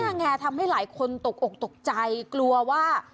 ไงทำให้หลายคนตกอกตกใจกลัวว่า